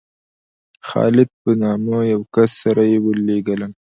د خالد په نامه یو کس سره یې ولېږلم.